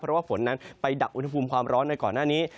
เพราะว่าฝนนั้นไปดักอุณหภูมิความร้อนในก่อนหน้านี้